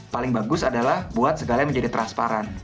paling bagus adalah buat segalanya menjadi transparan